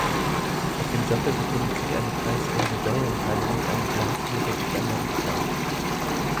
Auf dem Sockel befindet sich eine kreisrunde Säulenhalle mit einem Glasmosaik an der Rückwand.